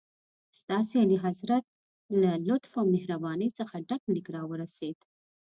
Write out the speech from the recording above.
ستاسي اعلیحضرت له لطف او مهربانۍ څخه ډک لیک راورسېد.